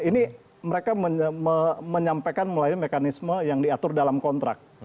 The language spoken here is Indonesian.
ini mereka menyampaikan melalui mekanisme yang diatur dalam kontrak